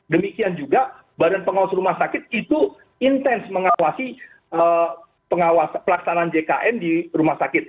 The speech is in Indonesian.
demikian juga badan pengawas rumah sakit itu intens mengawasi pelaksanaan jkn di rumah sakit